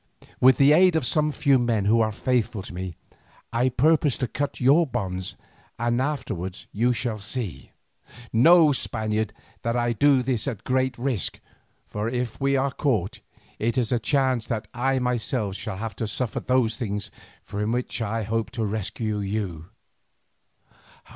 With the aid of some few men who are faithful to me, I purpose to cut your bonds, and afterwards you shall see. Know, Spaniard, that I do this at great risk, for if we are caught, it is a chance but that I myself shall have to suffer those things from which I hope to rescue you."